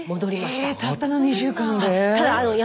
えたったの２週間で？